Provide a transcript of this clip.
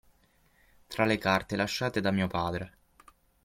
Tra le carte lasciate da mio padre.